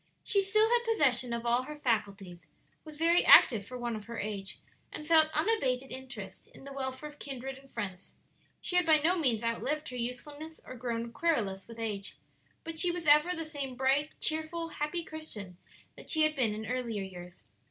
She still had possession of all her faculties, was very active for one of her age, and felt unabated interest in the welfare of kindred and friends. She had by no means outlived her usefulness or grown querulous with age, but was ever the same bright, cheerful, happy Christian that she had been in earlier years.